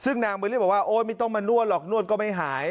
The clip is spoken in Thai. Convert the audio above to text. ซึ่งนางใบเลี่บอกว่าโอ๊ยไม่ต้องมานวดหรอกนวดก็ไม่หาย